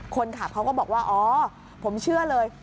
คนขับเขาก็บอกว่าอ๋อผมเชื่อเลย